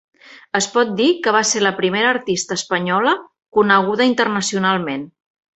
Es pot dir que va ser la primera artista espanyola coneguda internacionalment.